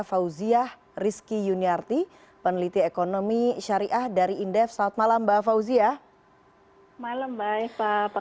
fauziah rizky yuniarti peneliti ekonomi syariah dari indef selamat malam mbak fauzia malam baik pak